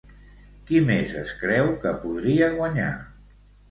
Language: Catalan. Qui més es creu que podria guanyar?